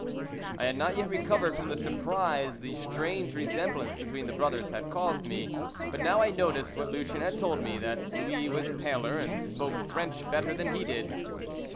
I had not yet recovered from the surprise the strange resemblance between the brothers had caused me, but now I noticed what Lucien had told me, that Louis was paler, and spoke French better than he did.